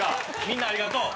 みんなありがとう！